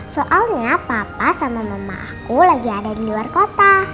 soalnya papa sama mama aku lagi ada di luar kota